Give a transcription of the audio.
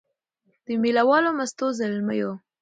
د مېله والو مستو زلمیو